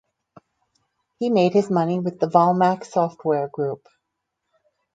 He made his money with the Volmac Software Group.